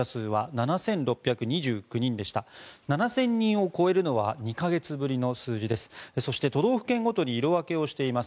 ７０００人を超えるのは２か月ぶりの数字です。